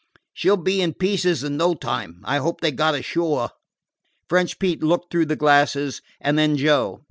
She 'll be in pieces in no time. I hope they got ashore." French Pete looked through the glasses, and then Joe.